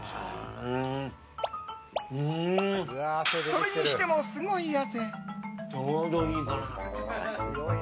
それにしてもすごい汗。